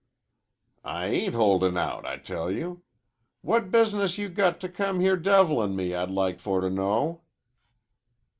"I ain't holdin' out, I tell you. What business you got to come here devilin' me, I'd like for to know?"